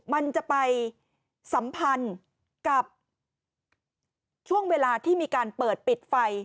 มันจะไปสัมพันธ์กับช่วงเวลาที่มีการเปิดปิดไฟ